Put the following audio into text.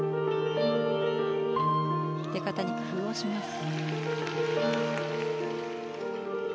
出方に工夫をします。